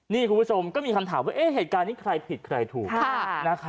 นี่คุณผู้ชมก็มีคำถามว่าเหตุการณ์นี้ใครผิดใครถูก